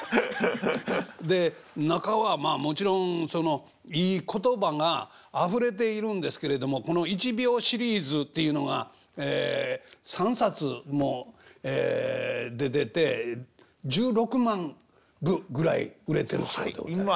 で中はもちろんいい言葉があふれているんですけれどもこの「１秒シリーズ」っていうのが３冊も出てて１６万部ぐらい売れてるそうでございます。